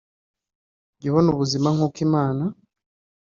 jya ubona ubuzima nk uko imana